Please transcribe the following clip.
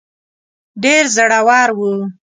ډېر زړه ور وو.